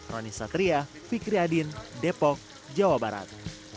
roni satria fikri adin depok jawa barat